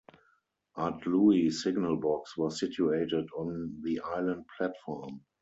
Ardlui signal box was situated on the island platform.